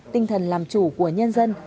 tinh thần làm chủ của nhân dân